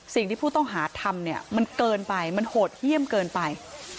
สิ่งที่ผู้ต้องหาทำเนี่ยมันเกินไปมันโหดเยี่ยมเกินไป